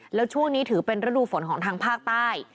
แล้วช่วงนี้ถือเป็นฤดูฝนของทางภาคใต้